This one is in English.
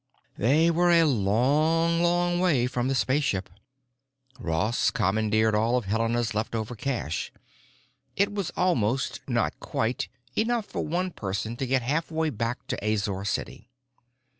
They were a long, long way from the spaceship. Ross commandeered all of Helena's leftover cash. It was almost, not quite, enough for one person to get halfway back to Azor City.